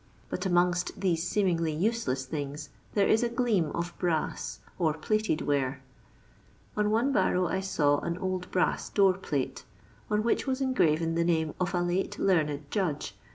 But amongst these seemingly useless things there is a gleam of brass or plated ware. On one barrow I saw an old brass door plate, on which was engraven the name of a late learned judge.